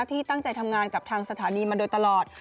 ที่ตั้งใจทำงานกับทางสถานีมาโดยตลอด